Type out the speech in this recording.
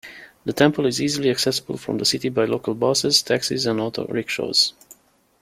The temple is easily accessible from the city by local buses, taxis and auto-rickshaws.